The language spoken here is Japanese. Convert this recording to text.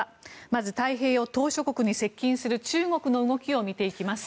まず、太平洋島しょ国に接近する中国の動きを見ていきます。